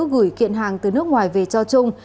gửi kiện hàng từ nước ngoài về cho trung